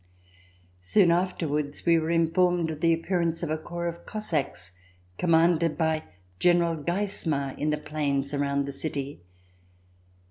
Soon afterwards, we were informed of the ap pearance of a corps of Cossacks commanded by General Geismar, in the plains around the city.